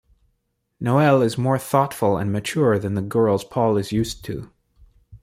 Noel is more thoughtful and mature than the girls Paul is used to.